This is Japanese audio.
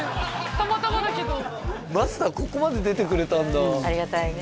たまたまだけどマスターここまで出てくれたんだありがたいね